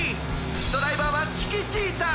ドライバーはチキ・チータ！